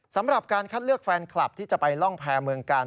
สำหรับการคัดเลือกแฟนคลับที่จะไปล่องแพรเมืองกาล